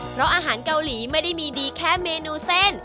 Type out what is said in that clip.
เพราะอาหารเกาหลีไม่ได้มีดีแค่เมนูเส้น